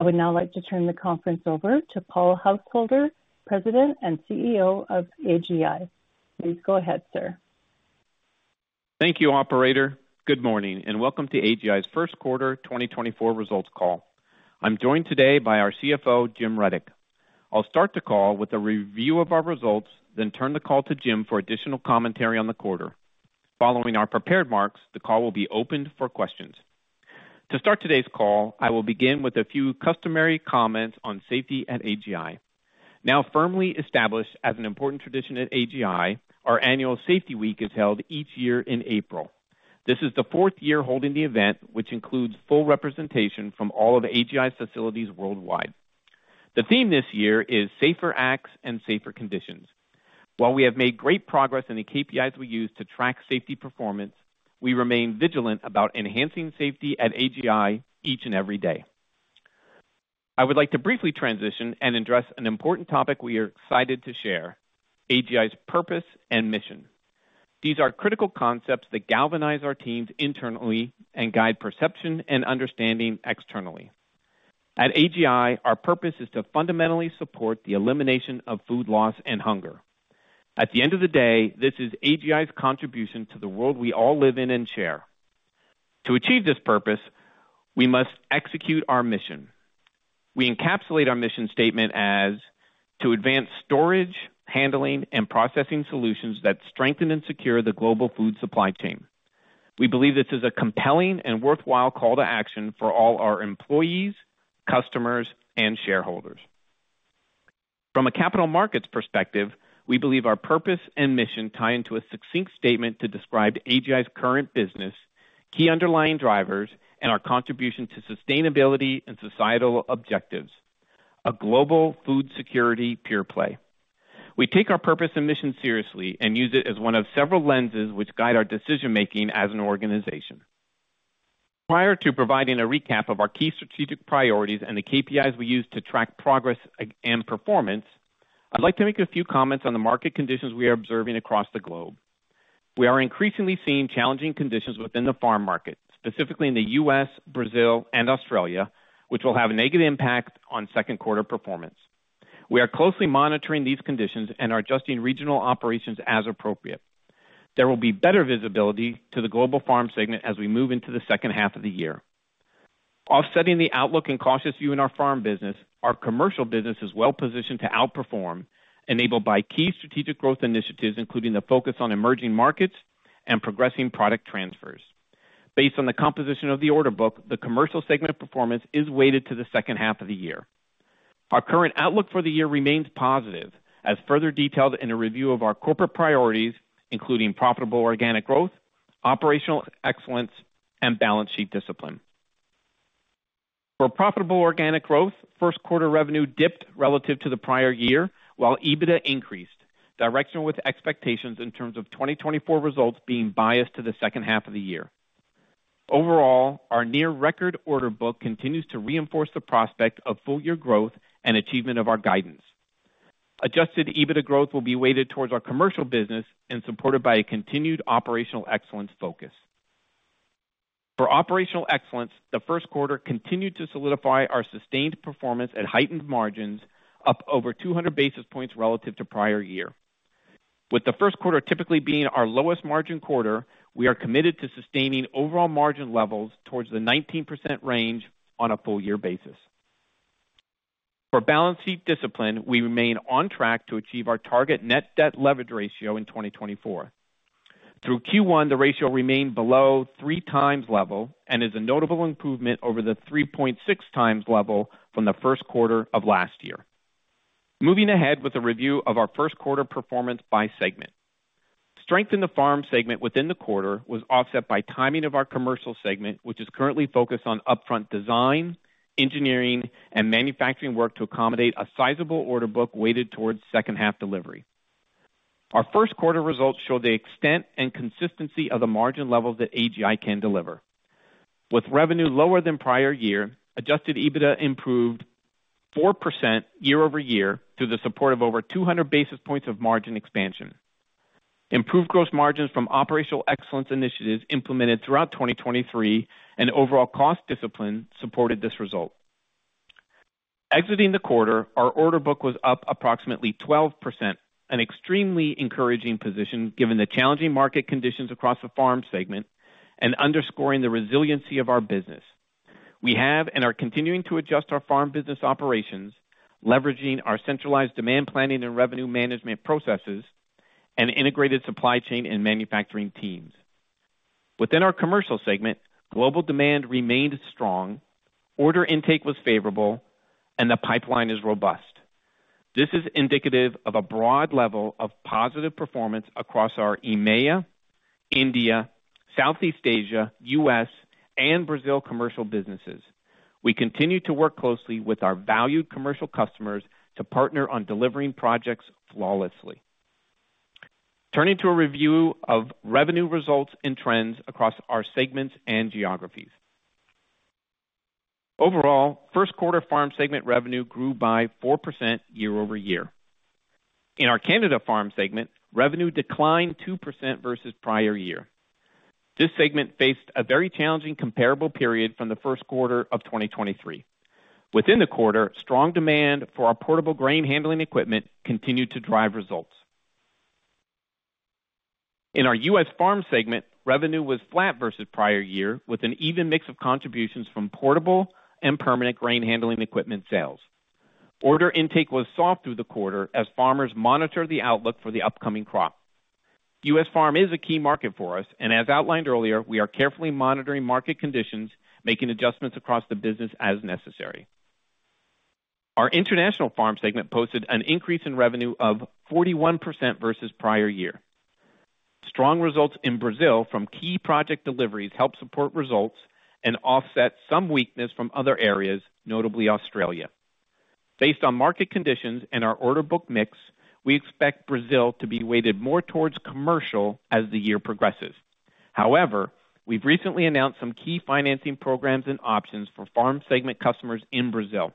I would now like to turn the conference over to Paul Householder, President and CEO of AGI. Please go ahead, sir. Thank you, operator. Good morning, and welcome to AGI's Q1 2024 results call. I'm joined today by our CFO, Jim Rudyk. I'll start the call with a review of our results, then turn the call to Jim for additional commentary on the quarter. Following our prepared remarks, the call will be opened for questions. To start today's call, I will begin with a few customary comments on safety at AGI. Now firmly established as an important tradition at AGI, our annual Safety Week is held each year in April. This is the fourth year holding the event, which includes full representation from all of AGI's facilities worldwide. The theme this year is Safer Acts and Safer Conditions. While we have made great progress in the KPIs we use to track safety performance, we remain vigilant about enhancing safety at AGI each and every day. I would like to briefly transition and address an important topic we are excited to share: AGI's purpose and mission. These are critical concepts that galvanize our teams internally and guide perception and understanding externally. At AGI, our purpose is to fundamentally support the elimination of food loss and hunger. At the end of the day, this is AGI's contribution to the world we all live in and share. To achieve this purpose, we must execute our mission. We encapsulate our mission statement as: to advance storage, handling, and processing solutions that strengthen and secure the global food supply chain. We believe this is a compelling and worthwhile call to action for all our employees, customers, and shareholders. From a capital markets perspective, we believe our purpose and mission tie into a succinct statement to describe AGI's current business, key underlying drivers, and our contribution to sustainability and societal objectives, a global food security pure play. We take our purpose and mission seriously and use it as one of several lenses which guide our decision-making as an organization. Prior to providing a recap of our key strategic priorities and the KPIs we use to track progress against performance, I'd like to make a few comments on the market conditions we are observing across the globe. We are increasingly seeing challenging conditions within the farm market, specifically in the U.S., Brazil, and Australia, which will have a negative impact on Q2 performance. We are closely monitoring these conditions and are adjusting regional operations as appropriate. There will be better visibility to the global farm segment as we move into the second half of the year. Offsetting the outlook and cautious view in our farm business, our commercial business is well positioned to outperform, enabled by key strategic growth initiatives, including the focus on emerging markets and progressing product transfers. Based on the composition of the order book, the commercial segment performance is weighted to the second half of the year. Our current outlook for the year remains positive, as further detailed in a review of our corporate priorities, including profitable organic growth, operational excellence, and balance sheet discipline. For profitable organic growth, Q1 revenue dipped relative to the prior year, while EBITDA increased, directional with expectations in terms of 2024 results being biased to the second half of the year. Overall, our near record order book continues to reinforce the prospect of full year growth and achievement of our guidance. Adjusted EBITDA growth will be weighted towards our commercial business and supported by a continued operational excellence focus. For operational excellence, the Q1 continued to solidify our sustained performance at heightened margins, up over 200 basis points relative to prior year. With the Q1 typically being our lowest margin quarter, we are committed to sustaining overall margin levels towards the 19% range on a full year basis. For balance sheet discipline, we remain on track to achieve our target net debt leverage ratio in 2024. Through Q1, the ratio remained below 3 times level and is a notable improvement over the 3.6 times level from the Q1 of last year. Moving ahead with a review of our Q1 performance by segment. Strength in the farm segment within the quarter was offset by timing of our commercial segment, which is currently focused on upfront design, engineering, and manufacturing work to accommodate a sizable order book weighted towards second half delivery. Our Q1 results show the extent and consistency of the margin levels that AGI can deliver. With revenue lower than prior year, Adjusted EBITDA improved 4% year-over-year through the support of over 200 basis points of margin expansion. Improved gross margins from operational excellence initiatives implemented throughout 2023 and overall cost discipline supported this result. Exiting the quarter, our order book was up approximately 12%, an extremely encouraging position given the challenging market conditions across the farm segment and underscoring the resiliency of our business. We have and are continuing to adjust our farm business operations, leveraging our centralized demand planning and revenue management processes and integrated supply chain and manufacturing teams. Within our commercial segment, global demand remained strong, order intake was favorable, and the pipeline is robust. This is indicative of a broad level of positive performance across our EMEA, India, Southeast Asia, U.S., and Brazil commercial businesses. We continue to work closely with our valued commercial customers to partner on delivering projects flawlessly. Turning to a review of revenue results and trends across our segments and geographies. Overall, Q1 farm segment revenue grew by 4% year-over-year....In our Canada farm segment, revenue declined 2% versus prior year. This segment faced a very challenging comparable period from the Q1 of 2023. Within the quarter, strong demand for our portable grain handling equipment continued to drive results. In our U.S. farm segment, revenue was flat versus prior year, with an even mix of contributions from portable and permanent grain handling equipment sales. Order intake was soft through the quarter as farmers monitored the outlook for the upcoming crop. U.S. farm is a key market for us, and as outlined earlier, we are carefully monitoring market conditions, making adjustments across the business as necessary. Our international farm segment posted an increase in revenue of 41% versus prior year. Strong results in Brazil from key project deliveries helped support results and offset some weakness from other areas, notably Australia. Based on market conditions and our order book mix, we expect Brazil to be weighted more towards commercial as the year progresses. However, we've recently announced some key financing programs and options for farm segment customers in Brazil,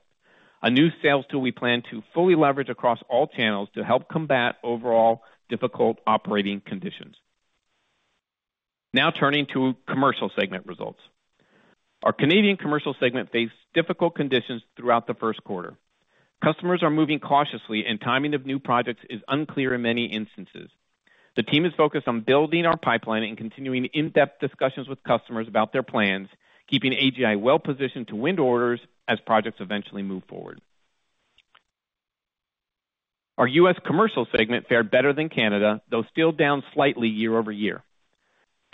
a new sales tool we plan to fully leverage across all channels to help combat overall difficult operating conditions. Now turning to commercial segment results. Our Canadian commercial segment faced difficult conditions throughout the Q1. Customers are moving cautiously, and timing of new projects is unclear in many instances. The team is focused on building our pipeline and continuing in-depth discussions with customers about their plans, keeping AGI well-positioned to win orders as projects eventually move forward. Our U.S. commercial segment fared better than Canada, though still down slightly year-over-year.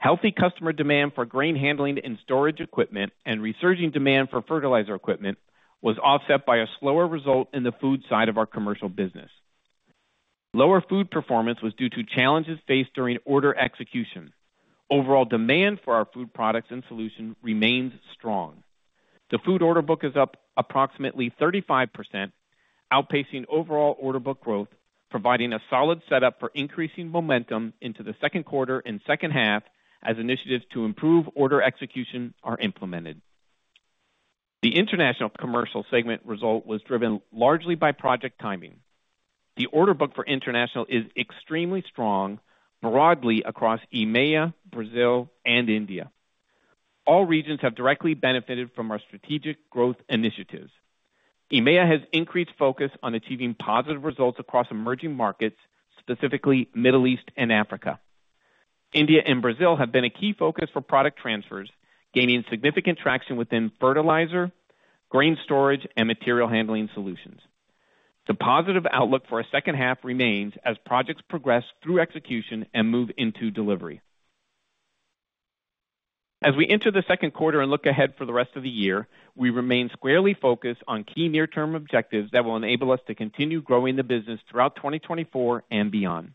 Healthy customer demand for grain handling and storage equipment and resurging demand for fertilizer equipment was offset by a slower result in the food side of our commercial business. Lower food performance was due to challenges faced during order execution. Overall demand for our food products and solutions remains strong. The food order book is up approximately 35%, outpacing overall order book growth, providing a solid setup for increasing momentum into the Q2 and second half as initiatives to improve order execution are implemented. The international commercial segment result was driven largely by project timing. The order book for international is extremely strong, broadly across EMEA, Brazil, and India. All regions have directly benefited from our strategic growth initiatives. EMEA has increased focus on achieving positive results across emerging markets, specifically Middle East and Africa. India and Brazil have been a key focus for product transfers, gaining significant traction within fertilizer, grain storage, and material handling solutions. The positive outlook for a second half remains as projects progress through execution and move into delivery. As we enter the Q2 and look ahead for the rest of the year, we remain squarely focused on key near-term objectives that will enable us to continue growing the business throughout 2024 and beyond.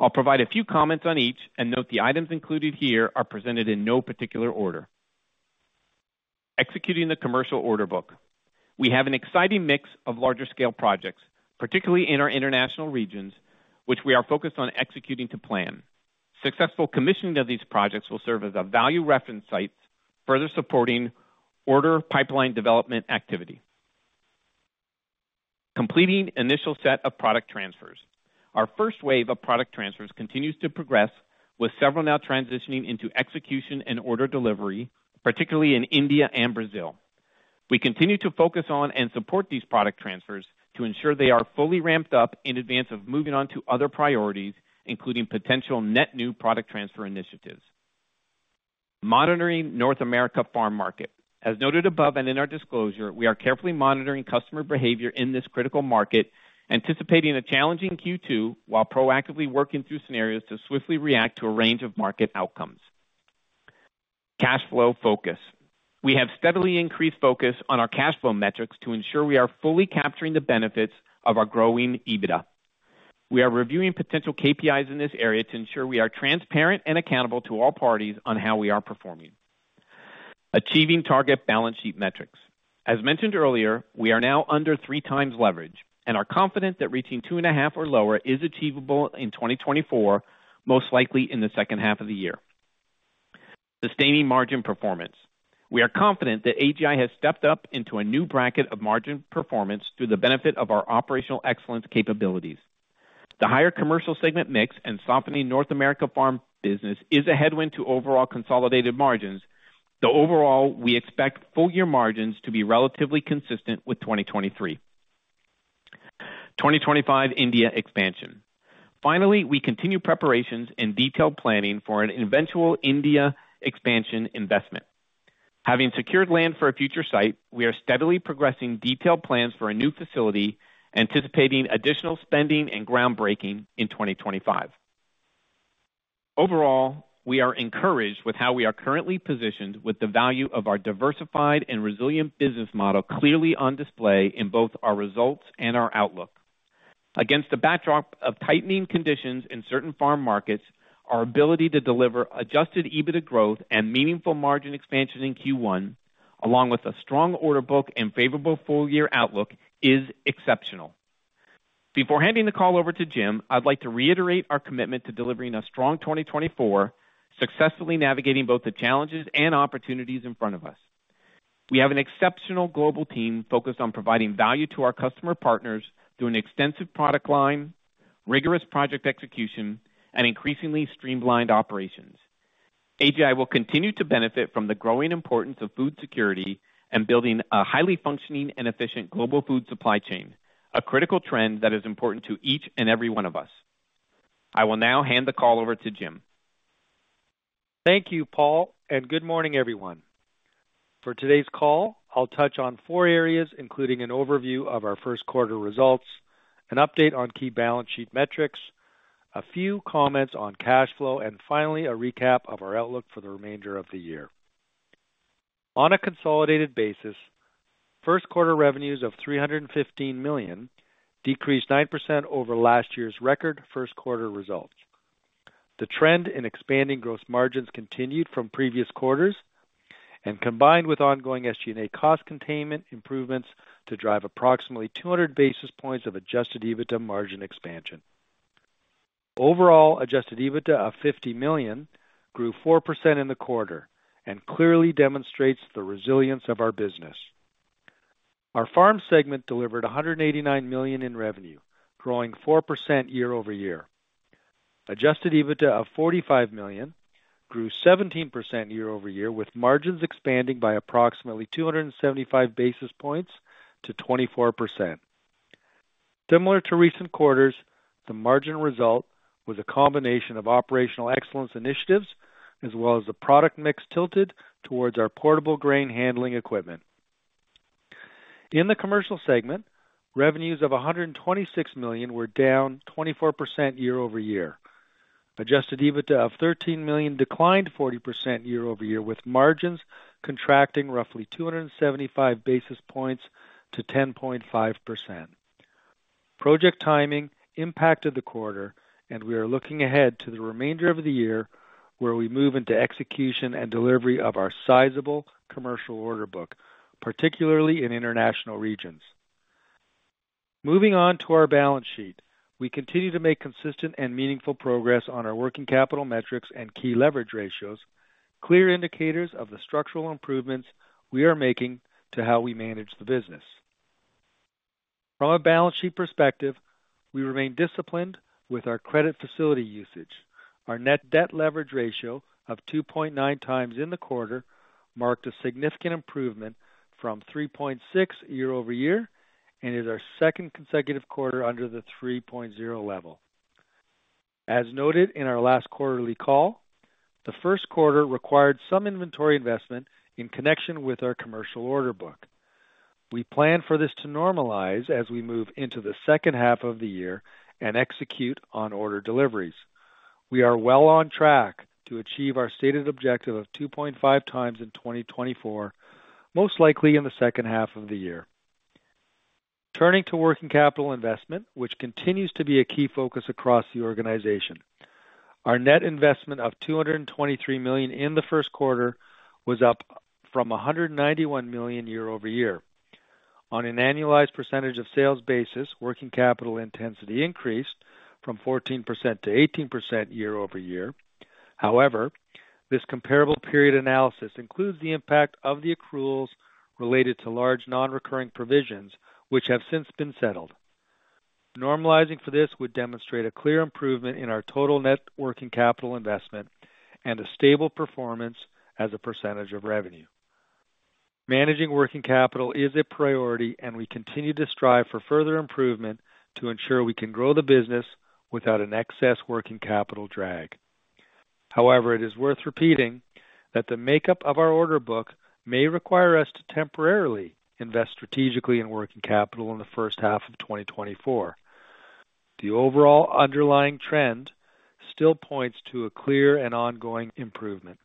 I'll provide a few comments on each and note the items included here are presented in no particular order. Executing the commercial order book. We have an exciting mix of larger-scale projects, particularly in our international regions, which we are focused on executing to plan. Successful commissioning of these projects will serve as a value reference sites, further supporting order pipeline development activity. Completing initial set of product transfers. Our first wave of product transfers continues to progress, with several now transitioning into execution and order delivery, particularly in India and Brazil. We continue to focus on and support these product transfers to ensure they are fully ramped up in advance of moving on to other priorities, including potential net new product transfer initiatives. Monitoring North America farm market. As noted above and in our disclosure, we are carefully monitoring customer behavior in this critical market, anticipating a challenging Q2, while proactively working through scenarios to swiftly react to a range of market outcomes. Cash flow focus. We have steadily increased focus on our cash flow metrics to ensure we are fully capturing the benefits of our growing EBITDA. We are reviewing potential KPIs in this area to ensure we are transparent and accountable to all parties on how we are performing. Achieving target balance sheet metrics. As mentioned earlier, we are now under 3 times leverage and are confident that reaching 2.5 or lower is achievable in 2024, most likely in the second half of the year. Sustaining margin performance. We are confident that AGI has stepped up into a new bracket of margin performance through the benefit of our operational excellence capabilities. The higher commercial segment mix and softening North America farm business is a headwind to overall consolidated margins, though overall, we expect full-year margins to be relatively consistent with 2023. 2025 India expansion. Finally, we continue preparations and detailed planning for an eventual India expansion investment. Having secured land for a future site, we are steadily progressing detailed plans for a new facility, anticipating additional spending and groundbreaking in 2025. Overall, we are encouraged with how we are currently positioned with the value of our diversified and resilient business model clearly on display in both our results and our outlook. Against the backdrop of tightening conditions in certain farm markets, our ability to deliver Adjusted EBITDA growth and meaningful margin expansion in Q1, along with a strong order book and favorable full-year outlook, is exceptional. Before handing the call over to Jim, I'd like to reiterate our commitment to delivering a strong 2024, successfully navigating both the challenges and opportunities in front of us.... We have an exceptional global team focused on providing value to our customer partners through an extensive product line, rigorous project execution, and increasingly streamlined operations. AGI will continue to benefit from the growing importance of food security and building a highly functioning and efficient global food supply chain, a critical trend that is important to each and every one of us. I will now hand the call over to Jim. Thank you, Paul, and good morning, everyone. For today's call, I'll touch on four areas, including an overview of our Q1 results, an update on key balance sheet metrics, a few comments on cash flow, and finally, a recap of our outlook for the remainder of the year. On a consolidated basis, Q1 revenues of 315 million decreased 9% over last year's record Q1 results. The trend in expanding gross margins continued from previous quarters and combined with ongoing SG&A cost containment improvements to drive approximately 200 basis points of adjusted EBITDA margin expansion. Overall, adjusted EBITDA of 50 million grew 4% in the quarter and clearly demonstrates the resilience of our business. Our farm segment delivered 189 million in revenue, growing 4% year-over-year. Adjusted EBITDA of $45 million grew 17% year-over-year, with margins expanding by approximately 275 basis points to 24%. Similar to recent quarters, the margin result was a combination of operational excellence initiatives as well as the product mix tilted towards our portable grain handling equipment. In the commercial segment, revenues of $126 million were down 24% year-over-year. Adjusted EBITDA of $13 million declined 40% year-over-year, with margins contracting roughly 275 basis points to 10.5%. Project timing impacted the quarter, and we are looking ahead to the remainder of the year, where we move into execution and delivery of our sizable commercial order book, particularly in international regions. Moving on to our balance sheet. We continue to make consistent and meaningful progress on our working capital metrics and key leverage ratios, clear indicators of the structural improvements we are making to how we manage the business. From a balance sheet perspective, we remain disciplined with our credit facility usage. Our net debt leverage ratio of 2.9 times in the quarter marked a significant improvement from 3.6 year-over-year and is our second consecutive quarter under the 3.0 level. As noted in our last quarterly call, the Q1 required some inventory investment in connection with our commercial order book. We plan for this to normalize as we move into the second half of the year and execute on order deliveries. We are well on track to achieve our stated objective of 2.5 times in 2024, most likely in the second half of the year. Turning to working capital investment, which continues to be a key focus across the organization. Our net investment of 223 million in the Q1 was up from 191 million year-over-year. On an annualized percentage of sales basis, working capital intensity increased from 14% to 18% year-over-year. However, this comparable period analysis includes the impact of the accruals related to large, non-recurring provisions, which have since been settled. Normalizing for this would demonstrate a clear improvement in our total net working capital investment and a stable performance as a percentage of revenue. Managing working capital is a priority, and we continue to strive for further improvement to ensure we can grow the business without an excess working capital drag. However, it is worth repeating that the makeup of our order book may require us to temporarily invest strategically in working capital in the first half of 2024. The overall underlying trend still points to a clear and ongoing improvement.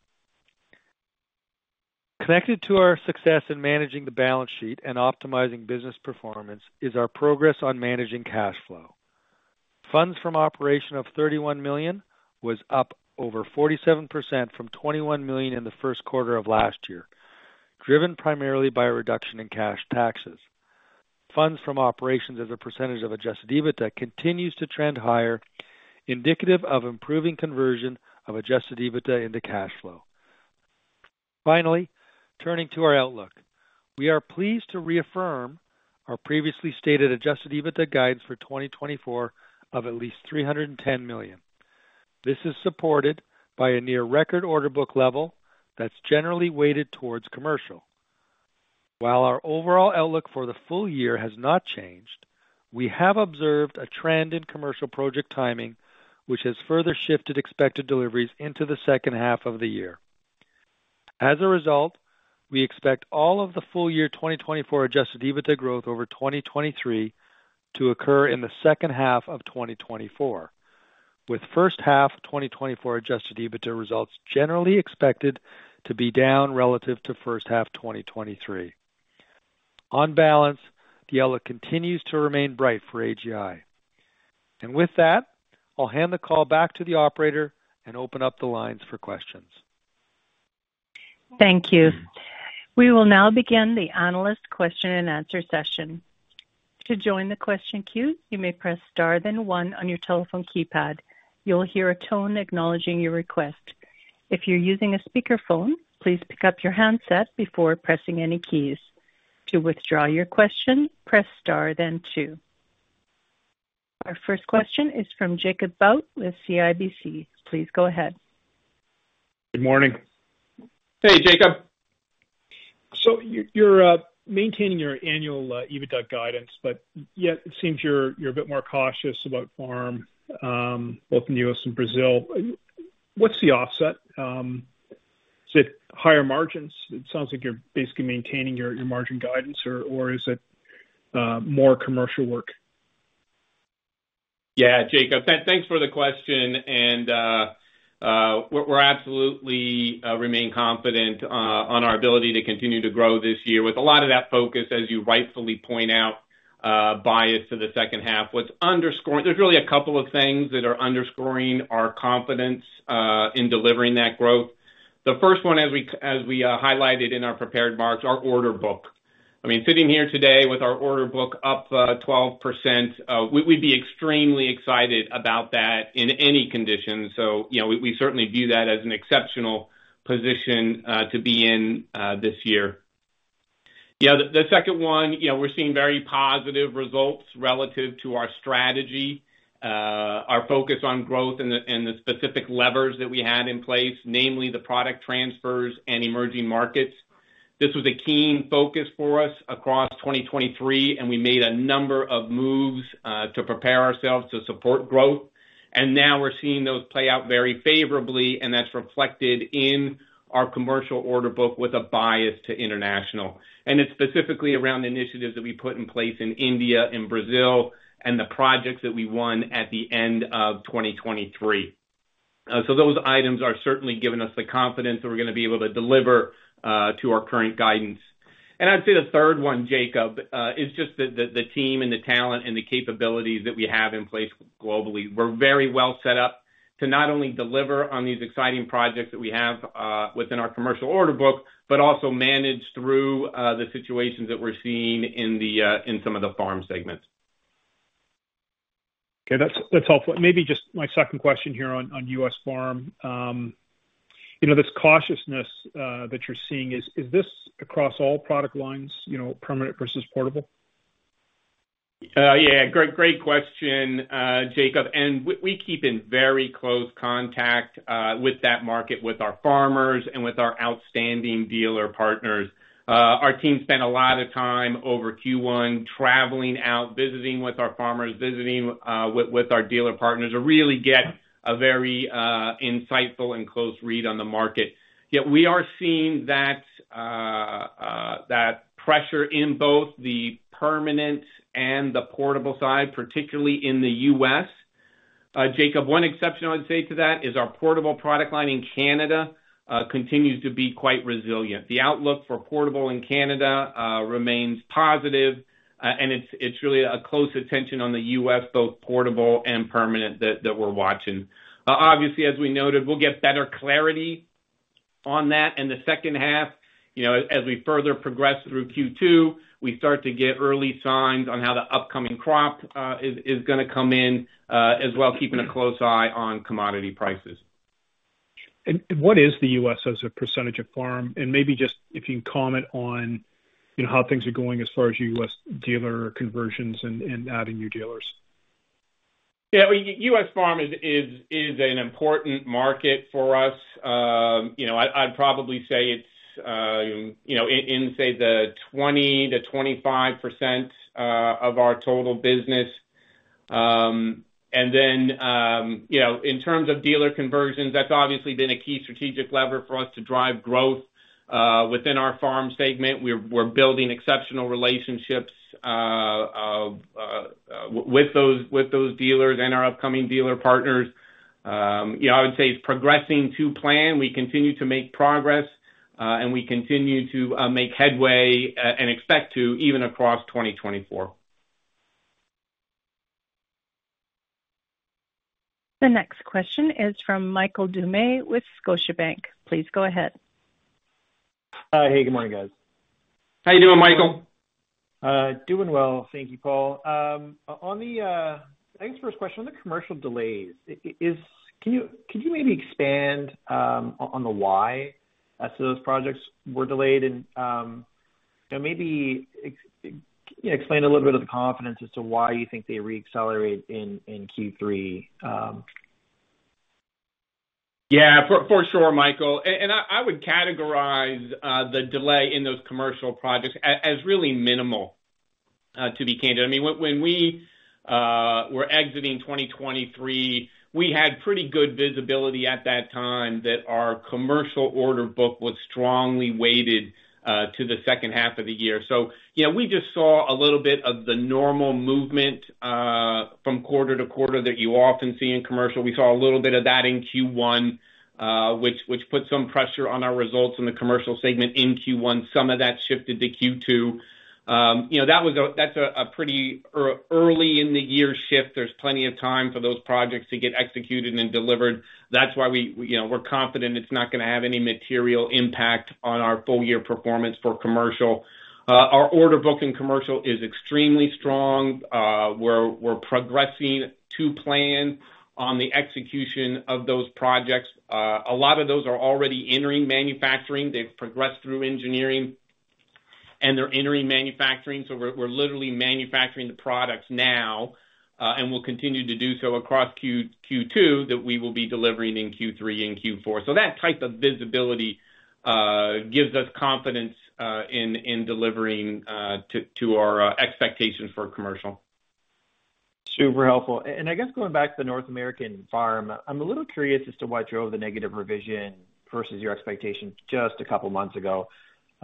Connected to our success in managing the balance sheet and optimizing business performance is our progress on managing cash flow. Funds from operations of 31 million was up over 47% from 21 million in the Q1 of last year, driven primarily by a reduction in cash taxes. Funds from operations as a percentage of Adjusted EBITDA continues to trend higher, indicative of improving conversion of Adjusted EBITDA into cash flow. Finally, turning to our outlook. We are pleased to reaffirm our previously stated Adjusted EBITDA guidance for 2024 of at least 310 million. This is supported by a near record order book level that's generally weighted towards commercial. While our overall outlook for the full year has not changed, we have observed a trend in commercial project timing, which has further shifted expected deliveries into the second half of the year. As a result, we expect all of the full year 2024 Adjusted EBITDA growth over 2023 to occur in the second half of 2024, with first half 2024 Adjusted EBITDA results generally expected to be down relative to first half 2023. On balance, the outlook continues to remain bright for AGI. And with that, I'll hand the call back to the operator and open up the lines for questions. Thank you. We will now begin the analyst question and answer session.... To join the question queue, you may press Star, then one on your telephone keypad. You'll hear a tone acknowledging your request. If you're using a speakerphone, please pick up your handset before pressing any keys. To withdraw your question, press Star, then two. Our first question is from Jacob Bout with CIBC. Please go ahead. Good morning. Hey, Jacob. So you're maintaining your annual EBITDA guidance, but yet it seems you're a bit more cautious about farm both in the US and Brazil. What's the offset? Is it higher margins? It sounds like you're basically maintaining your margin guidance, or is it more commercial work? Yeah, Jacob, thanks for the question, and, we're absolutely remain confident on our ability to continue to grow this year with a lot of that focus, as you rightfully point out, bias to the second half. What's underscoring—there's really a couple of things that are underscoring our confidence in delivering that growth. The first one, as we highlighted in our prepared remarks, our order book. I mean, sitting here today with our order book up 12%, we'd be extremely excited about that in any condition. So, you know, we certainly view that as an exceptional position to be in this year. Yeah, the second one, you know, we're seeing very positive results relative to our strategy, our focus on growth and the specific levers that we had in place, namely the product transfers and emerging markets. This was a keen focus for us across 2023, and we made a number of moves to prepare ourselves to support growth, and now we're seeing those play out very favorably, and that's reflected in our commercial order book with a bias to international. And it's specifically around initiatives that we put in place in India and Brazil and the projects that we won at the end of 2023. So those items are certainly giving us the confidence that we're gonna be able to deliver to our current guidance. And I'd say the third one, Jacob, is just the team and the talent and the capabilities that we have in place globally. We're very well set up to not only deliver on these exciting projects that we have within our commercial order book, but also manage through the situations that we're seeing in some of the farm segments. Okay, that's, that's helpful. And maybe just my second question here on, on U.S. farm. You know, this cautiousness that you're seeing, is, is this across all product lines, you know, permanent versus portable? Yeah, great, great question, Jacob, and we keep in very close contact with that market, with our farmers and with our outstanding dealer partners. Our team spent a lot of time over Q1 traveling out, visiting with our farmers, visiting with our dealer partners to really get a very insightful and close read on the market. Yet we are seeing that pressure in both the permanent and the portable side, particularly in the U.S. Jacob, one exception I'd say to that is our portable product line in Canada continues to be quite resilient. The outlook for portable in Canada remains positive, and it's really a close attention on the U.S., both portable and permanent, that we're watching. Obviously, as we noted, we'll get better clarity on that in the second half. You know, as we further progress through Q2, we start to get early signs on how the upcoming crop is gonna come in, as well, keeping a close eye on commodity prices. What is the U.S. as a percentage of farm? And maybe just if you can comment on, you know, how things are going as far as U.S. dealer conversions and adding new dealers. Yeah, well, U.S. farm is an important market for us. You know, I'd probably say it's, you know, in, say, the 20%-25% of our total business. And then, you know, in terms of dealer conversions, that's obviously been a key strategic lever for us to drive growth within our farm segment. We're building exceptional relationships with those dealers and our upcoming dealer partners. You know, I would say it's progressing to plan. We continue to make progress, and we continue to make headway, and expect to even across 2024. The next question is from Michael Doumet with Scotiabank. Please go ahead. Hey, good morning, guys. How you doing, Michael? Doing well. Thank you, Paul. Thanks for this question. On the commercial delays, can you, could you maybe expand on the why as to those projects were delayed? And, you know, maybe explain a little bit of the confidence as to why you think they re-accelerate in Q3. Yeah, for sure, Michael. And I would categorize the delay in those commercial projects as really minimal, to be candid. I mean, when we were exiting 2023, we had pretty good visibility at that time that our commercial order book was strongly weighted to the second half of the year. So, you know, we just saw a little bit of the normal movement from quarter to quarter that you often see in commercial. We saw a little bit of that in Q1, which put some pressure on our results in the commercial segment in Q1. Some of that shifted to Q2. You know, that was a, that's a pretty early in the year shift. There's plenty of time for those projects to get executed and delivered. That's why we, you know, we're confident it's not gonna have any material impact on our full year performance for commercial. Our order book in commercial is extremely strong. We're progressing to plan on the execution of those projects. A lot of those are already entering manufacturing. They've progressed through engineering and they're entering manufacturing. So we're literally manufacturing the products now, and we'll continue to do so across Q2 that we will be delivering in Q3 and Q4. So that type of visibility gives us confidence in delivering to our expectations for commercial. Super helpful. And I guess going back to the North American farm, I'm a little curious as to what drove the negative revision versus your expectations just a couple of months ago.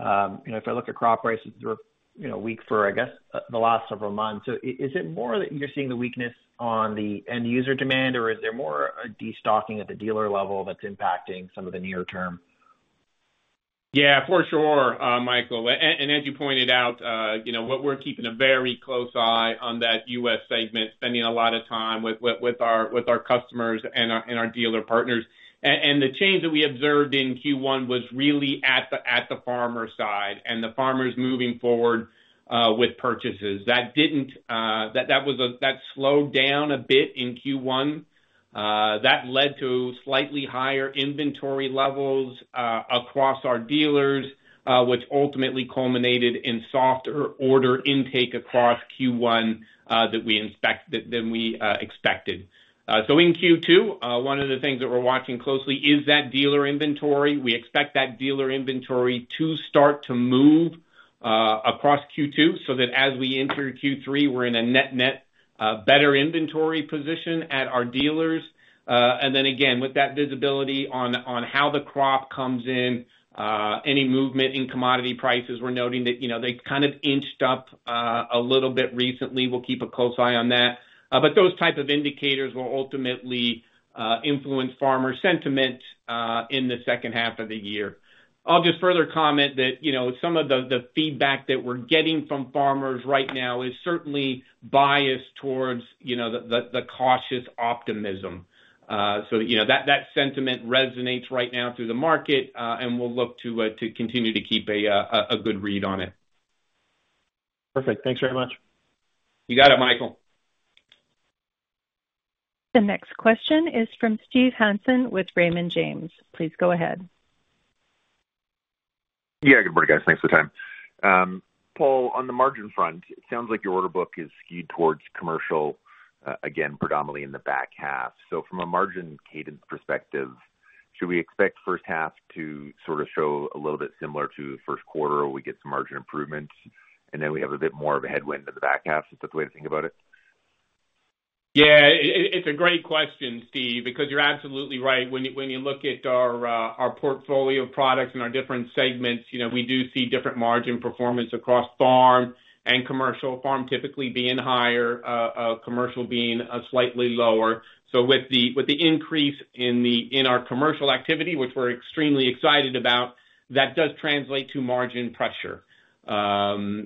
You know, if I look at crop prices, they're, you know, weak for, I guess, the last several months. So is it more that you're seeing the weakness on the end user demand, or is there more a destocking at the dealer level that's impacting some of the near term? Yeah, for sure, Michael. And as you pointed out, you know, what we're keeping a very close eye on that US segment, spending a lot of time with our customers and our dealer partners. And the change that we observed in Q1 was really at the farmer side and the farmers moving forward with purchases. That didn't... That slowed down a bit in Q1. That led to slightly higher inventory levels across our dealers, which ultimately culminated in softer order intake across Q1 than we expected. So in Q2, one of the things that we're watching closely is that dealer inventory. We expect that dealer inventory to start to move across Q2, so that as we enter Q3, we're in a net, net better inventory position at our dealers. And then again, with that visibility on how the crop comes in, any movement in commodity prices, we're noting that, you know, they kind of inched up a little bit recently. We'll keep a close eye on that. But those type of indicators will ultimately influence farmer sentiment in the second half of the year. I'll just further comment that, you know, some of the feedback that we're getting from farmers right now is certainly biased towards the cautious optimism. So, you know, that sentiment resonates right now through the market, and we'll look to continue to keep a good read on it. Perfect. Thanks very much. You got it, Michael. The next question is from Steve Hansen with Raymond James. Please go ahead. Yeah. Good morning, guys. Thanks for the time. Paul, on the margin front, it sounds like your order book is skewed towards commercial, again, predominantly in the back half. So from a margin cadence perspective, should we expect first half to sort of show a little bit similar to the Q1, or we get some margin improvements, and then we have a bit more of a headwind in the back half? Is that the way to think about it? Yeah, it's a great question, Steve, because you're absolutely right. When you look at our portfolio of products and our different segments, you know, we do see different margin performance across farm and commercial. Farm typically being higher, commercial being slightly lower. So with the increase in our commercial activity, which we're extremely excited about, that does translate to margin pressure. You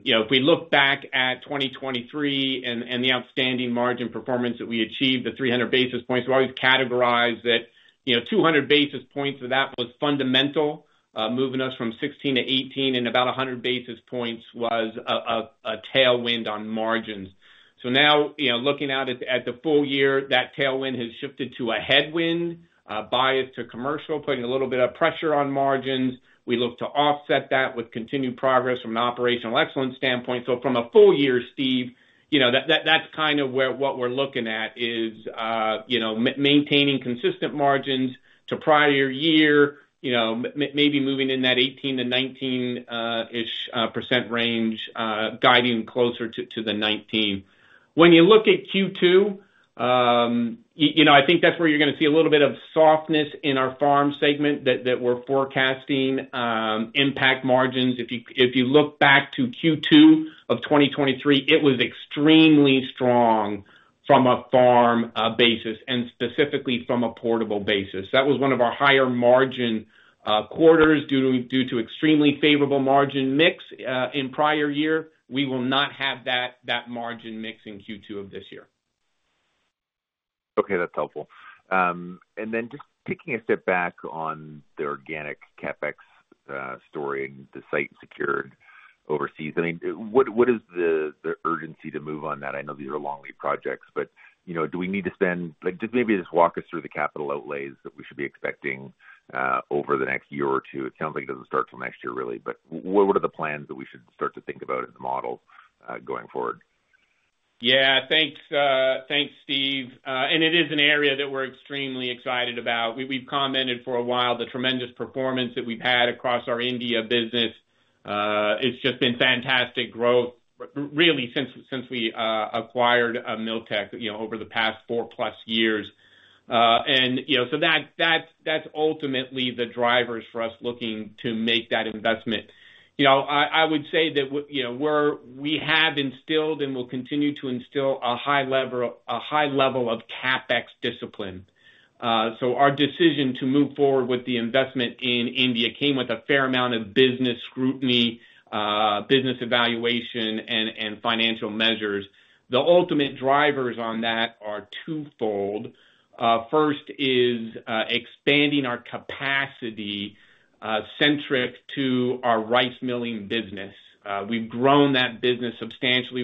know, if we look back at 2023 and the outstanding margin performance that we achieved, the 300 basis points, we've always categorized that, you know, 200 basis points of that was fundamental, moving us from 16 to 18, and about 100 basis points was a tailwind on margins. So now, you know, looking out at the full year, that tailwind has shifted to a headwind, bias to commercial, putting a little bit of pressure on margins. We look to offset that with continued progress from an operational excellence standpoint. So from a full year, Steve, you know, that's kind of where what we're looking at is, you know, maintaining consistent margins to prior year, you know, maybe moving in that 18%-19% ish range, guiding closer to the 19%. When you look at Q2, you know, I think that's where you're gonna see a little bit of softness in our farm segment that we're forecasting. impact margins, if you, if you look back to Q2 of 2023, it was extremely strong from a farm basis and specifically from a portable basis. That was one of our higher margin quarters, due to, due to extremely favorable margin mix in prior year. We will not have that, that margin mix in Q2 of this year. Okay, that's helpful. And then just taking a step back on the organic CapEx story and the site secured overseas, I mean, what is the urgency to move on that? I know these are long lead projects, but you know, do we need to spend... Like, just maybe just walk us through the capital outlays that we should be expecting over the next year or two. It sounds like it doesn't start till next year, really, but what are the plans that we should start to think about in the model going forward? Yeah, thanks, thanks, Steve. And it is an area that we're extremely excited about. We've commented for a while, the tremendous performance that we've had across our India business. It's just been fantastic growth, really, since we acquired Milltec, you know, over the past 4+ years. And, you know, so that, that's ultimately the drivers for us looking to make that investment. You know, I would say that, you know, we have instilled and will continue to instill a high level of CapEx discipline. So our decision to move forward with the investment in India came with a fair amount of business scrutiny, business evaluation, and financial measures. The ultimate drivers on that are twofold. First is expanding our capacity centric to our rice milling business. We've grown that business substantially.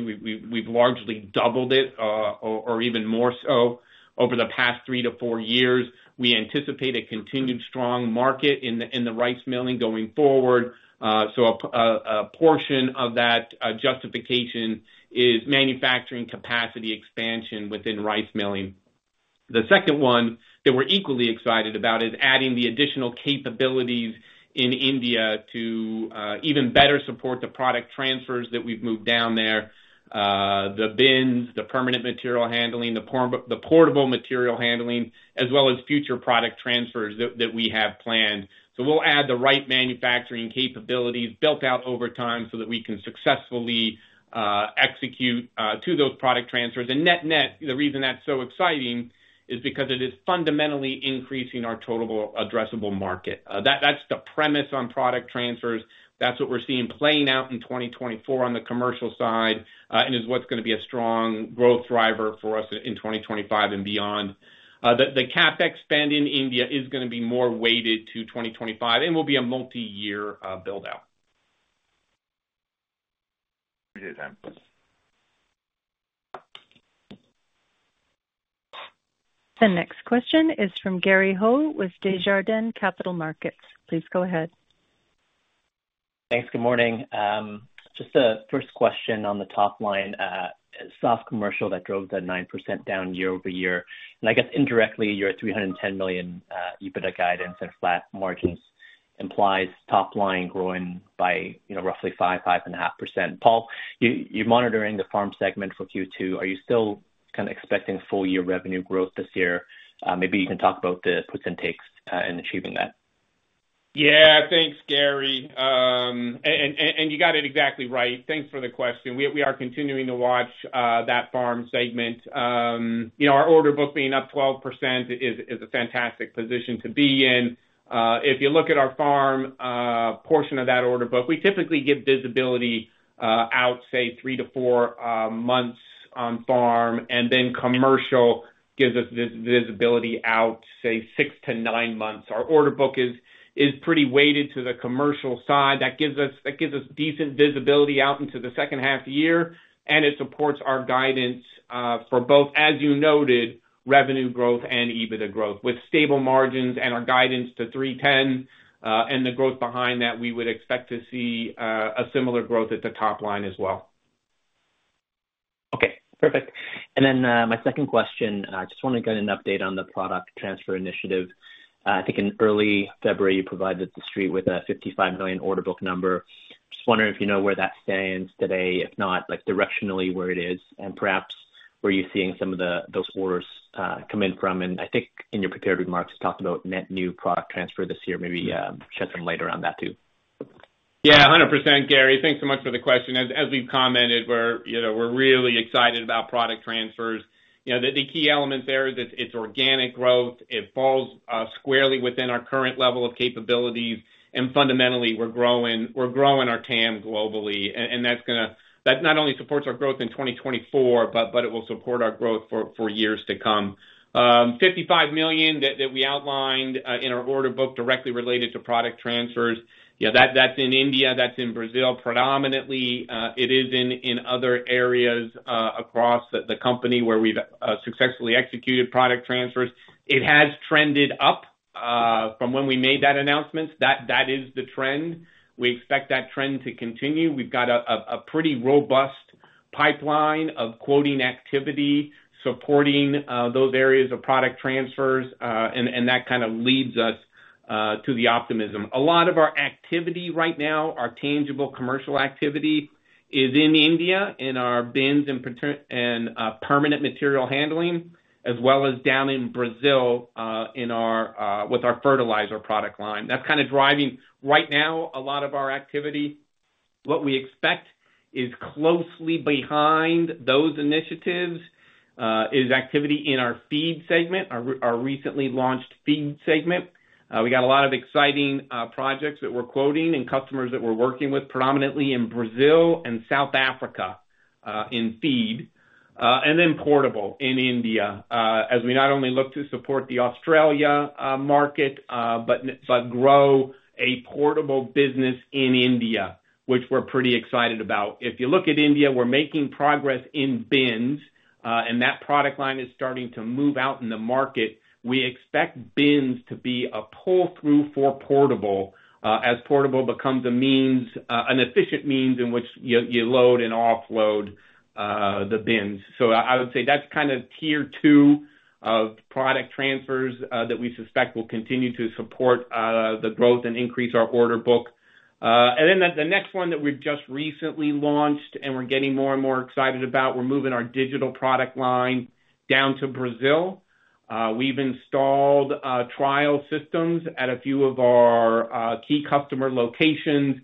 We've largely doubled it, or even more so over the past three-to-four years. We anticipate a continued strong market in the rice milling going forward. So a portion of that justification is manufacturing capacity expansion within rice milling. The second one that we're equally excited about is adding the additional capabilities in India to even better support the product transfers that we've moved down there, the bins, the permanent material handling, the portable material handling, as well as future product transfers that we have planned. So we'll add the right manufacturing capabilities built out over time so that we can successfully execute to those product transfers. And net-net, the reason that's so exciting is because it is fundamentally increasing our total addressable market. That's the premise on product transfers. That's what we're seeing playing out in 2024 on the commercial side, and is what's gonna be a strong growth driver for us in 2025 and beyond. The CapEx spend in India is gonna be more weighted to 2025 and will be a multiyear build-out. The next question is from Gary Ho with Desjardins Capital Markets. Please go ahead. Thanks. Good morning. Just a first question on the top line. Soft commercial that drove the 9% down year-over-year, and I guess indirectly, your 310 million EBITDA guidance and flat margins implies top line growing by, you know, roughly 5%-5.5%. Paul, you, you're monitoring the farm segment for Q2. Are you still kind of expecting full-year revenue growth this year? Maybe you can talk about the puts and takes in achieving that. Yeah. Thanks, Gary. And you got it exactly right. Thanks for the question. We are continuing to watch that farm segment. You know, our order book being up 12% is a fantastic position to be in. If you look at our farm portion of that order book, we typically give visibility out, say, 3-4 months on farm, and then commercial gives us visibility out, say, 6-9 months. Our order book is pretty weighted to the commercial side. That gives us decent visibility out into the second half of the year, and it supports our guidance for both, as you noted, revenue growth and EBITDA growth. With stable margins and our guidance to 3.10, and the growth behind that, we would expect to see a similar growth at the top line as well. Okay, perfect. And then, my second question, I just wanna get an update on the product transfer initiative. I think in early February, you provided the street with a 55 million order book number. Just wondering if you know where that stands today, if not, like, directionally, where it is, and perhaps where you're seeing some of the, those orders, come in from. And I think in your prepared remarks, you talked about net new product transfer this year. Maybe, shed some light around that too. Yeah, 100%, Gary. Thanks so much for the question. As we've commented, we're, you know, we're really excited about product transfers. You know, the key element there is it's organic growth. It falls squarely within our current level of capabilities, and fundamentally, we're growing, we're growing our TAM globally, and that's gonna—that not only supports our growth in 2024, but it will support our growth for years to come. Fifty-five million that we outlined in our order book directly related to product transfers, yeah, that's in India, that's in Brazil, predominantly. It is in other areas across the company where we've successfully executed product transfers. It has trended up from when we made that announcement. That is the trend. We expect that trend to continue. We've got a pretty robust pipeline of quoting activity, supporting those areas of product transfers, and that kind of leads us to the optimism. A lot of our activity right now, our tangible commercial activity, is in India, in our bins and permanent material handling, as well as down in Brazil, with our fertilizer product line. That's kind of driving, right now, a lot of our activity. What we expect is closely behind those initiatives is activity in our feed segment, our recently launched feed segment. We got a lot of exciting projects that we're quoting and customers that we're working with, predominantly in Brazil and South Africa, in feed, and then portable in India, as we not only look to support the Australia market, but grow a portable business in India, which we're pretty excited about. If you look at India, we're making progress in bins, and that product line is starting to move out in the market. We expect bins to be a pull-through for portable, as portable becomes a means, an efficient means in which you load and offload the bins. So I would say that's kind of tier two of product transfers, that we suspect will continue to support the growth and increase our order book. And then the next one that we've just recently launched and we're getting more and more excited about, we're moving our digital product line down to Brazil. We've installed trial systems at a few of our key customer locations.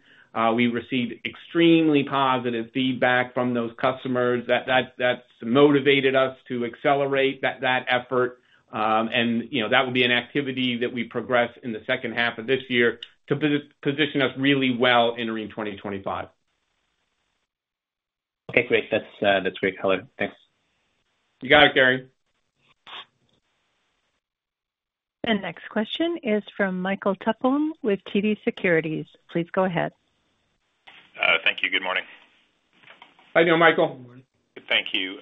We received extremely positive feedback from those customers that's motivated us to accelerate that effort. And, you know, that would be an activity that we progress in the second half of this year to position us really well entering 2025. Okay, great. That's, that's great color. Thanks. You got it, Gary. The next question is from Michael Tupholme with TD Securities. Please go ahead. Thank you. Good morning. How you doing, Michael? Thank you.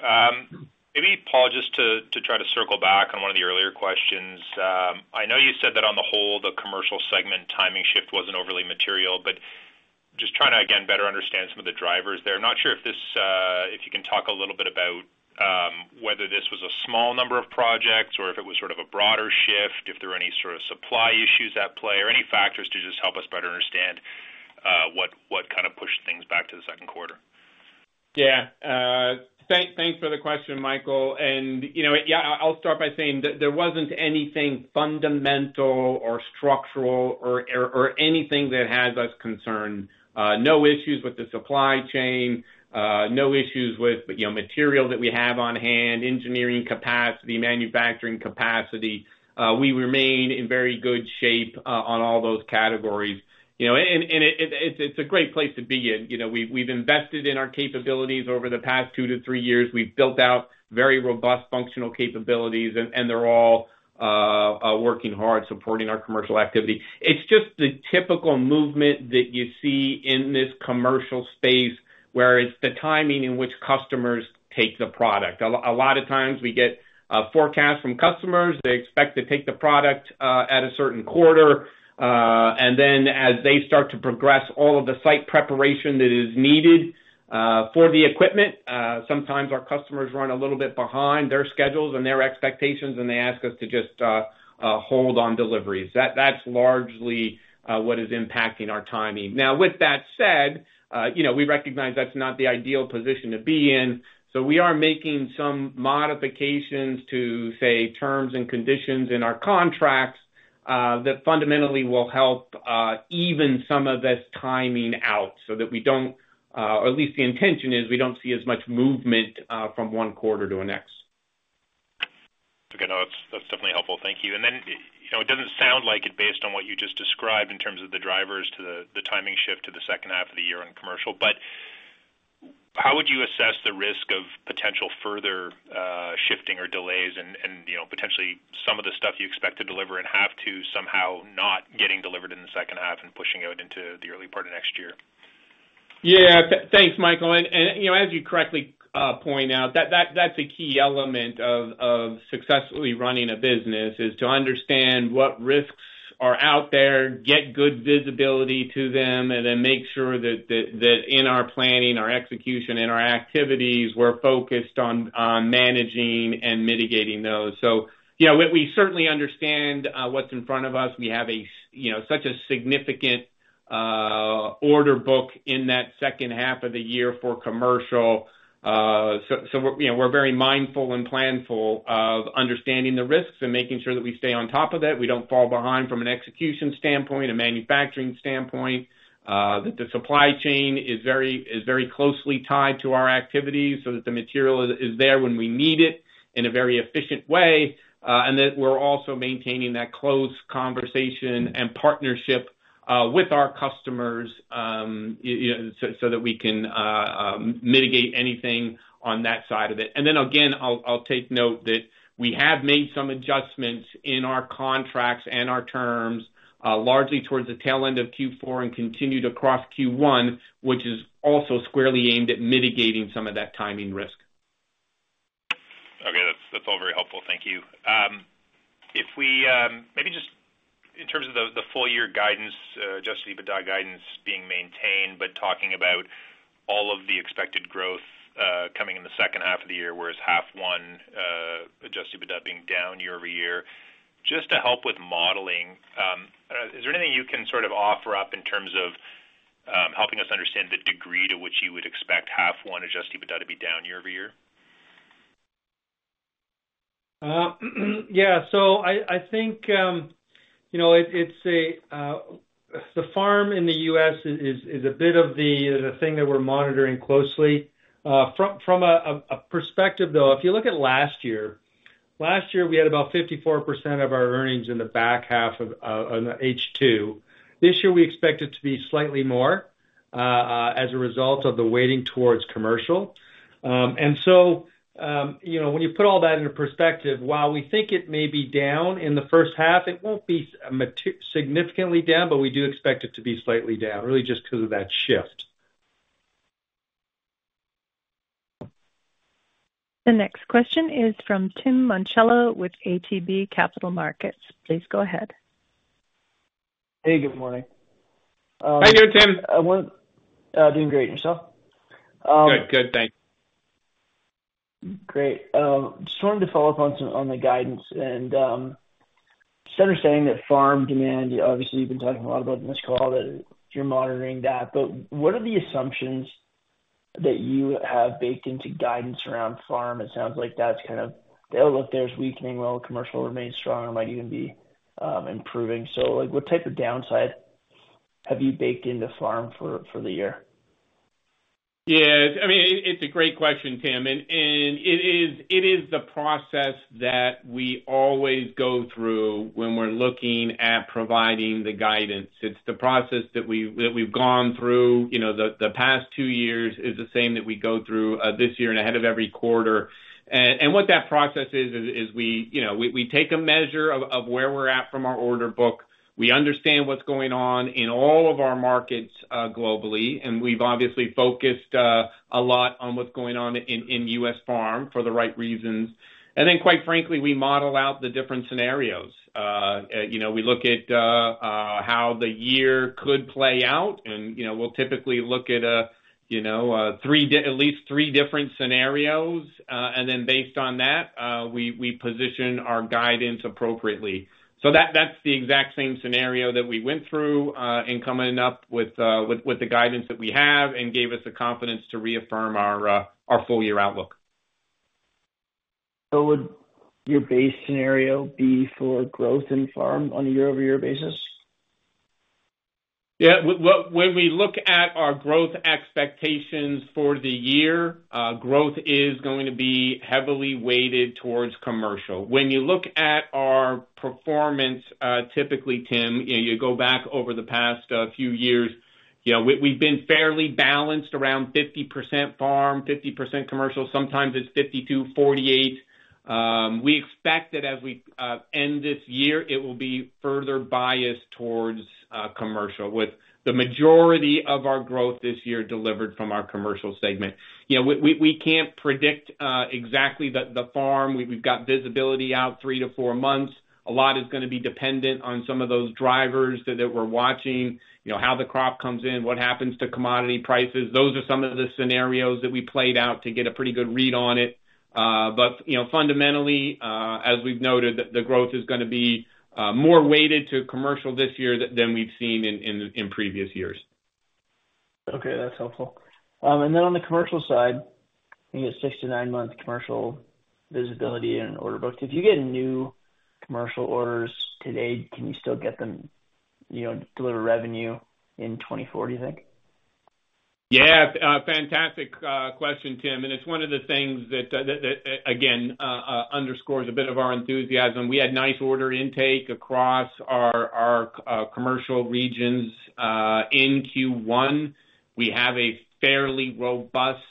Maybe, Paul, just to try to circle back on one of the earlier questions. I know you said that on the whole, the commercial segment timing shift wasn't overly material, but I'm not sure if this, if you can talk a little bit about whether this was a small number of projects or if it was sort of a broader shift, if there were any sort of supply issues at play, or any factors to just help us better understand what kind of pushed things back to the Q2? Yeah. Thanks for the question, Michael. And, you know, yeah, I'll start by saying that there wasn't anything fundamental or structural or anything that has us concerned. No issues with the supply chain, no issues with, you know, material that we have on hand, engineering capacity, manufacturing capacity. We remain in very good shape on all those categories. You know, and it's a great place to be in. You know, we've invested in our capabilities over the past 2-3 years. We've built out very robust functional capabilities, and they're all working hard supporting our commercial activity. It's just the typical movement that you see in this commercial space, where it's the timing in which customers take the product. A lot of times we get forecasts from customers. They expect to take the product at a certain quarter. And then as they start to progress all of the site preparation that is needed for the equipment, sometimes our customers run a little bit behind their schedules and their expectations, and they ask us to just hold on deliveries. That's largely what is impacting our timing. Now, with that said, you know, we recognize that's not the ideal position to be in, so we are making some modifications to, say, terms and conditions in our contracts that fundamentally will help even some of this timing out so that we don't, or at least the intention is we don't see as much movement from one quarter to the next. Okay. No, that's, that's definitely helpful. Thank you. And then, you know, it doesn't sound like it based on what you just described in terms of the drivers to the, the timing shift to the second half of the year on commercial, but how would you assess the risk of potential further shifting or delays and, and, you know, potentially some of the stuff you expect to deliver and have to somehow not getting delivered in the second half and pushing out into the early part of next year? Yeah. Thanks, Michael. And, you know, as you correctly point out, that, that's a key element of successfully running a business, is to understand what risks are out there, get good visibility to them, and then make sure that in our planning, our execution, in our activities, we're focused on managing and mitigating those. So yeah, we certainly understand what's in front of us. We have, you know, such a significant order book in that second half of the year for commercial. So, you know, we're very mindful and planful of understanding the risks and making sure that we stay on top of it. We don't fall behind from an execution standpoint, a manufacturing standpoint, that the supply chain is very closely tied to our activities, so that the material is there when we need it in a very efficient way, and that we're also maintaining that close conversation and partnership with our customers, you know, so that we can mitigate anything on that side of it. And then again, I'll take note that we have made some adjustments in our contracts and our terms, largely towards the tail end of Q4 and continued across Q1, which is also squarely aimed at mitigating some of that timing risk. Okay. That's, that's all very helpful. Thank you. If we... Maybe just in terms of the, the full year guidance, Adjusted EBITDA guidance being maintained, but talking about all of the expected growth, coming in the second half of the year, whereas half one, Adjusted EBITDA being down year-over-year. Just to help with modeling, is there anything you can sort of offer up in terms of, helping us understand the degree to which you would expect half one Adjusted EBITDA to be down year-over-year? Yeah. So I think, you know, it's the farm in the US that's a bit of the thing that we're monitoring closely. From a perspective, though, if you look at last year, last year we had about 54% of our earnings in the back half of, on the H2. This year, we expect it to be slightly more, as a result of the weighting towards commercial. And so, you know, when you put all that into perspective, while we think it may be down in the first half, it won't be materially significantly down, but we do expect it to be slightly down, really just because of that shift. The next question is from Tim Monachello with ATB Capital Markets. Please go ahead. Hey, good morning. Hi, there, Tim. I want... doing great, yourself? Good. Good, thanks. Great. Just wanted to follow up on some, on the guidance, and just understanding that farm demand, obviously, you've been talking a lot about in this call, that you're monitoring that, but what are the assumptions that you have baked into guidance around farm? It sounds like that's kind of the outlook is weakening, while commercial remains strong, it might even be improving. So, like, what type of downside have you baked into farm for, for the year? Yeah, I mean, it's a great question, Tim, and it is the process that we always go through when we're looking at providing the guidance. It's the process that we've gone through, you know, the past two years is the same that we go through this year and ahead of every quarter. And what that process is, is we, you know, we take a measure of where we're at from our order book. We understand what's going on in all of our markets globally, and we've obviously focused a lot on what's going on in U.S. farm for the right reasons. And then, quite frankly, we model out the different scenarios. You know, we look at how the year could play out, and you know, we'll typically look at, you know, at least three different scenarios. And then based on that, we position our guidance appropriately. So that's the exact same scenario that we went through in coming up with the guidance that we have and gave us the confidence to reaffirm our full year outlook. Would your base scenario be for growth in farm on a year-over-year basis? Yeah, when we look at our growth expectations for the year, growth is going to be heavily weighted towards commercial. When you look at our performance, typically, Tim, you know, you go back over the past few years, you know, we, we've been fairly balanced around 50% farm, 50% commercial, sometimes it's 52%-48%. We expect that as we end this year, it will be further biased towards commercial, with the majority of our growth this year delivered from our commercial segment. You know, we, we, we can't predict exactly the farm. We've, we've got visibility out 3-4 months. A lot is gonna be dependent on some of those drivers that, that we're watching. You know, how the crop comes in, what happens to commodity prices? Those are some of the scenarios that we played out to get a pretty good read on it. But, you know, fundamentally, as we've noted, the growth is gonna be more weighted to commercial this year than we've seen in previous years. Okay, that's helpful. And then on the commercial side, I think it's 6- to 9-month commercial visibility in order books. If you get new commercial orders today, can you still get them, you know, deliver revenue in 2024, do you think? Yeah, fantastic question, Tim, and it's one of the things that again underscores a bit of our enthusiasm. We had nice order intake across our commercial regions in Q1. We have a fairly robust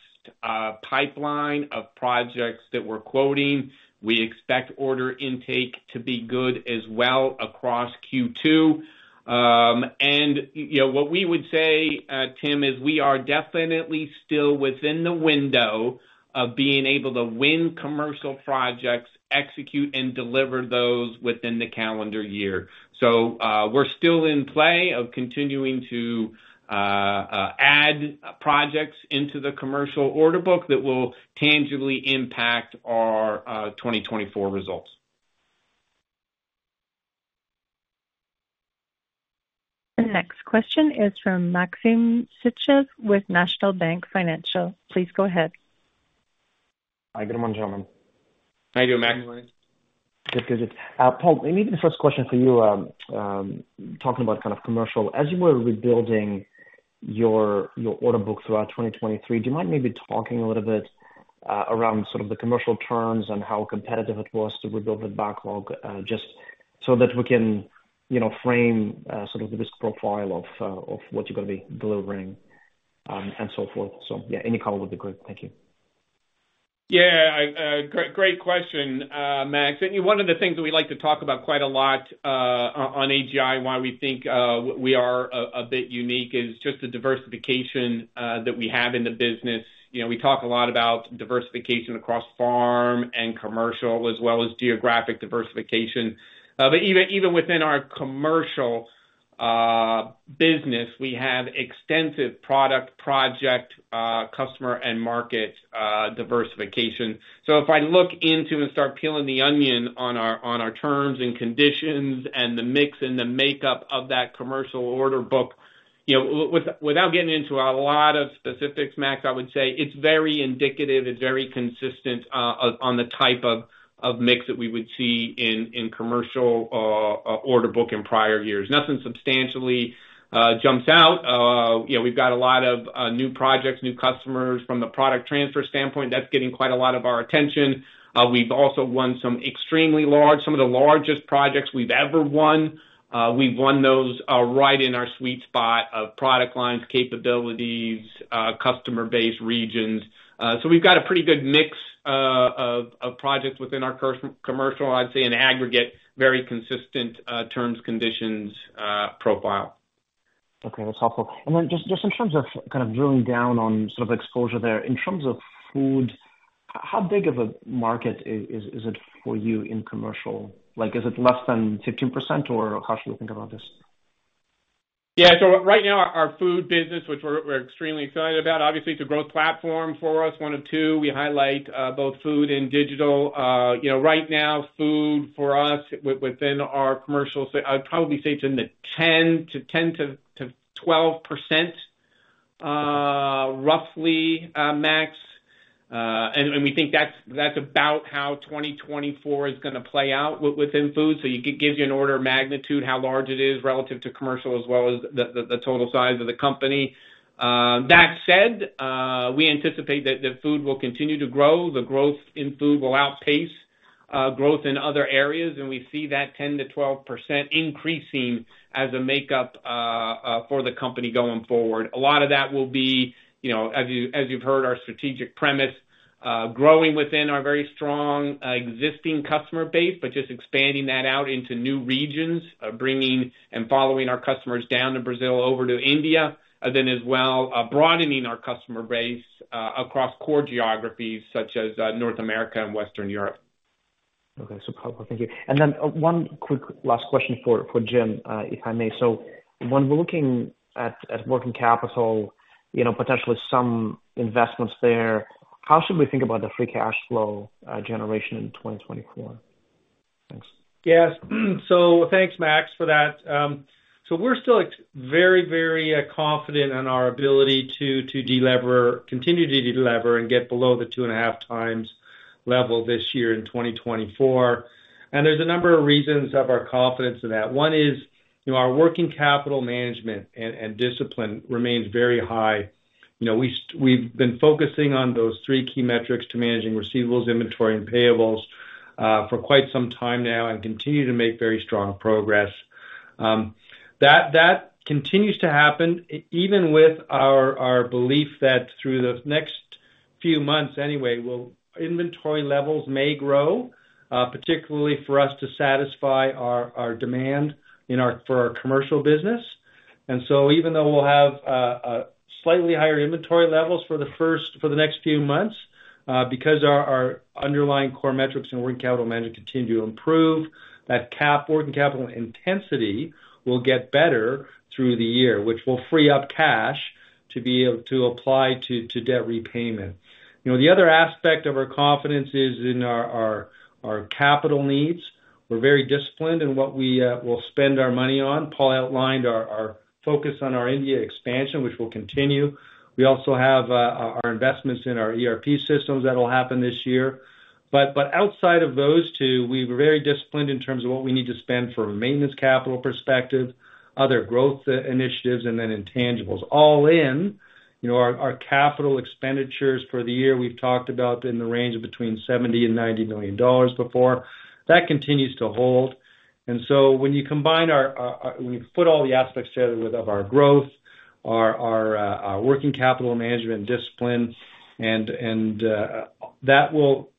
pipeline of projects that we're quoting. We expect order intake to be good as well across Q2. You know, what we would say, Tim, is we are definitely still within the window of being able to win commercial projects, execute and deliver those within the calendar year. So, we're still in play of continuing to add projects into the commercial order book that will tangibly impact our 2024 results. The next question is from Maxim Sytchev with National Bank Financial. Please go ahead. Hi, good morning, gentlemen. How you doing, Maxim? Good, good. Paul, maybe the first question for you, talking about kind of commercial. As you were rebuilding your, your order book throughout 2023, do you mind maybe talking a little bit, around sort of the commercial terms and how competitive it was to rebuild the backlog? Just so that we can, you know, frame, sort of the risk profile of, of what you're gonna be delivering, and so forth. So, yeah, any color would be great. Thank you. Yeah, great question, Max. And one of the things that we like to talk about quite a lot on AGI, why we think we are a bit unique, is just the diversification that we have in the business. You know, we talk a lot about diversification across farm and commercial, as well as geographic diversification. But even within our commercial business, we have extensive product, project, customer and market diversification. So if I look into and start peeling the onion on our terms and conditions and the mix and the makeup of that commercial order book, you know, without getting into a lot of specifics, Max, I would say it's very indicative, it's very consistent, on the type of mix that we would see in commercial order book in prior years. Nothing substantially jumps out. You know, we've got a lot of new projects, new customers from the product transfer standpoint. That's getting quite a lot of our attention. We've also won some extremely large, some of the largest projects we've ever won. We've won those right in our sweet spot of product lines, capabilities, customer base regions. So we've got a pretty good mix of projects within our current commercial. I'd say in aggregate, very consistent, terms, conditions, profile. Okay, that's helpful. And then just in terms of kind of drilling down on sort of exposure there. In terms of food, how big of a market is it for you in commercial? Like, is it less than 15%, or how should we think about this? Yeah, so right now, our food business, which we're extremely excited about, obviously, it's a growth platform for us, one of two. We highlight both food and digital. You know, right now, food for us within our commercial. I'd probably say it's in the 10%-12%, roughly, max. And we think that's about how 2024 is gonna play out within food. So it gives you an order of magnitude, how large it is relative to commercial, as well as the total size of the company. That said, we anticipate that the food will continue to grow. The growth in food will outpace growth in other areas, and we see that 10%-12% increasing as a makeup for the company going forward. A lot of that will be, you know, as you, as you've heard, our strategic premise, growing within our very strong, existing customer base, but just expanding that out into new regions, bringing and following our customers down to Brazil, over to India, and then as well, broadening our customer base, across core geographies such as, North America and Western Europe. Okay, so Paul, thank you. And then, one quick last question for Jim, if I may. So when we're looking at working capital, you know, potentially some investments there, how should we think about the free cash flow generation in 2024? Thanks. Yes. So thanks, Max, for that. So we're still very, very confident in our ability to delever, continue to delever and get below the 2.5 times level this year in 2024. And there's a number of reasons of our confidence in that. One is, you know, our working capital management and discipline remains very high. You know, we've been focusing on those three key metrics to managing receivables, inventory, and payables for quite some time now and continue to make very strong progress. That continues to happen even with our belief that through the next few months anyway, well, inventory levels may grow, particularly for us to satisfy our demand in our commercial business. And so even though we'll have a slightly higher inventory levels for the first, for the next few months, because our underlying core metrics and working capital management continue to improve, that working capital intensity will get better through the year, which will free up cash to be able to apply to debt repayment. You know, the other aspect of our confidence is in our capital needs. We're very disciplined in what we will spend our money on. Paul outlined our focus on our India expansion, which will continue. We also have our investments in our ERP systems that will happen this year. But outside of those two, we're very disciplined in terms of what we need to spend from a maintenance capital perspective, other growth initiatives, and then intangibles. All in, you know, our capital expenditures for the year, we've talked about in the range of between $70 million and $90 million before. That continues to hold, and so when you put all the aspects together with our growth, our working capital management discipline and that will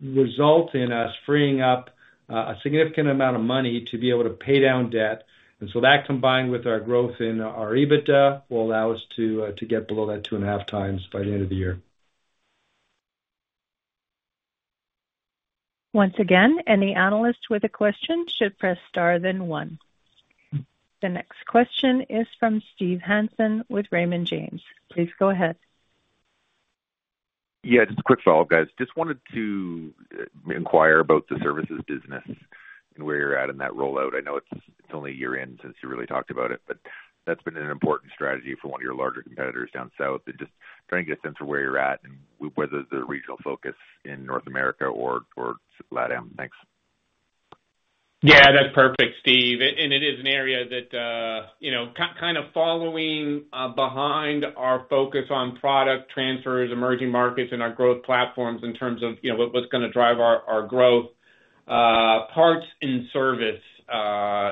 result in us freeing up a significant amount of money to be able to pay down debt. And so that, combined with our growth in our EBITDA, will allow us to get below that 2.5 times by the end of the year. Once again, any analyst with a question should press Star, then one. The next question is from Steve Hansen with Raymond James. Please go ahead. Yeah, just a quick follow-up, guys. Just wanted to inquire about the services business and where you're at in that rollout. I know it's only a year in since you really talked about it, but that's been an important strategy for one of your larger competitors down south, and just trying to get a sense of where you're at and whether there's a regional focus in North America or LATAM. Thanks. Yeah, that's perfect, Steve. And it is an area that, you know, kind of following behind our focus on product transfers, emerging markets, and our growth platforms in terms of, you know, what's gonna drive our growth. Parts and service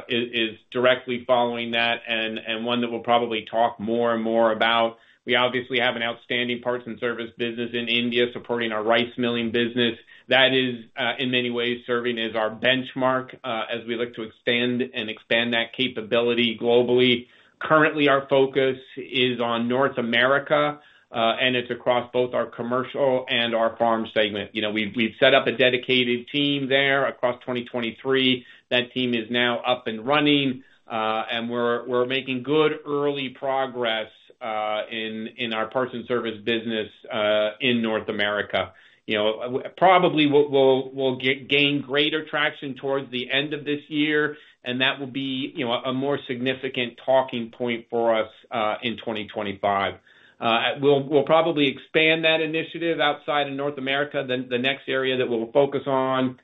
is directly following that and one that we'll probably talk more and more about. We obviously have an outstanding parts and service business in India, supporting our rice milling business. That is, in many ways, serving as our benchmark as we look to expand and expand that capability globally. Currently, our focus is on North America and it's across both our commercial and our farm segment. You know, we've set up a dedicated team there across 2023. That team is now up and running, and we're making good early progress in our parts and service business in North America. You know, probably we'll gain greater traction towards the end of this year, and that will be, you know, a more significant talking point for us in 2025. We'll probably expand that initiative outside of North America. Then the next area that we'll focus on,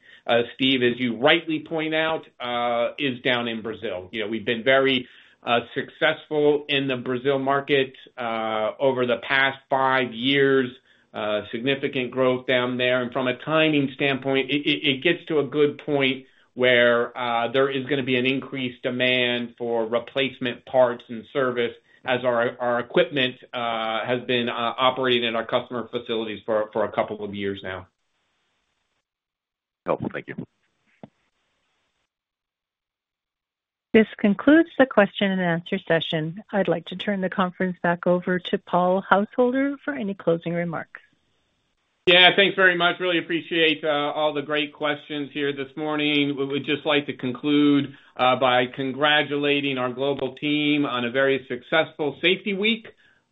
Steve, as you rightly point out, is down in Brazil. You know, we've been very successful in the Brazil market over the past five years. Significant growth down there, and from a timing standpoint, it gets to a good point where there is gonna be an increased demand for replacement parts and service as our equipment has been operating in our customer facilities for a couple of years now. Helpful. Thank you. This concludes the question and answer session. I'd like to turn the conference back over to Paul Householder for any closing remarks. Yeah, thanks very much. Really appreciate all the great questions here this morning. We would just like to conclude by congratulating our global team on a very successful Safety Week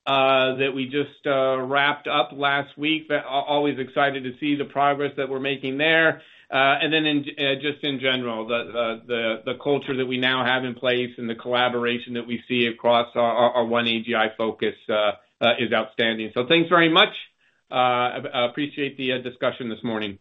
that we just wrapped up last week. Always excited to see the progress that we're making there. And then, in just general, the culture that we now have in place and the collaboration that we see across our One AGI focus is outstanding. So thanks very much. Appreciate the discussion this morning.